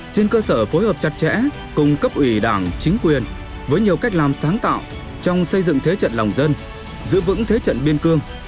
trên cơ sở phối hợp chặt chẽ cùng cấp ủy đảng chính quyền với nhiều cách làm sáng tạo trong xây dựng thế trận lòng dân giữ vững thế trận biên cương